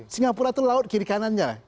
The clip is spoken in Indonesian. singapura itu laut kiri kanannya